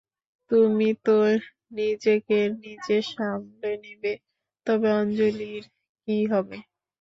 তুমি তো নিজেকে নিজে সামলে নিবে, তবে অঞ্জলীর কী হবে?